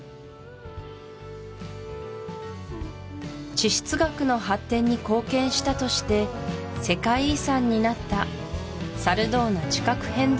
地質学の発展に貢献したとして世界遺産になったサルドーナ地殻変動